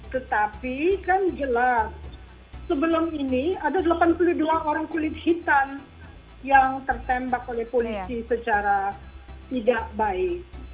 tetapi kan jelas sebelum ini ada delapan puluh dua orang kulit hitam yang tertembak oleh polisi secara tidak baik